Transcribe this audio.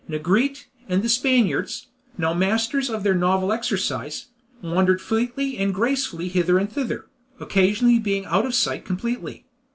Negrete and the Spaniards, now masters of their novel exercise, wandered fleetly and gracefully hither and thither, occasionally being out of sight completely.